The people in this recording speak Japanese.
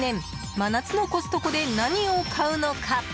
真夏のコストコで何を買うのか？